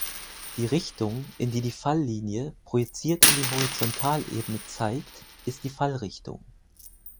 Die Richtung, in die die Falllinie, projiziert in die Horizontalebene, zeigt, ist die Fallrichtung.